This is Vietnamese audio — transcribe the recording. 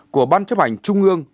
của ban chấp hành trung ương